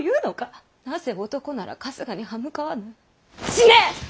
なぜ男なら春日に刃向かわぬ！